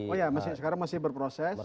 oh ya sekarang masih berproses